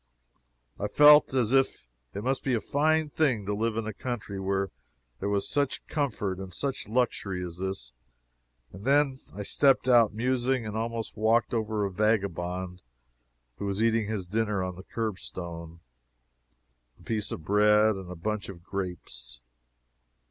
I felt as if it must be a fine thing to live in a country where there was such comfort and such luxury as this. And then I stepped out musing, and almost walked over a vagabond who was eating his dinner on the curbstone a piece of bread and a bunch of grapes.